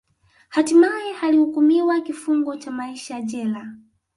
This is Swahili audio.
Hatimae alihukumiwa kifungo cha maisha jela